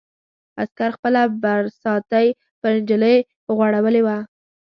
عسکر خپله برساتۍ پر نجلۍ غوړولې وه.